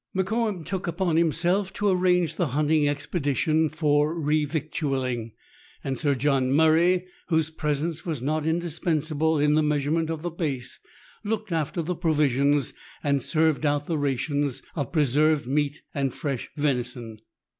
Mokoum took upon himself to arrange the hunting expedition for revictualling ; and Sir John Murray, whose presence was not indispensable in the measurement of the base, looked after the provisions, and served out the rations of preserved meat and fresh venison.